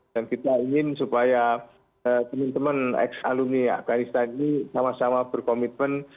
dan kita ingin supaya teman teman ex alumni afganistan ini sama sama berkomitmen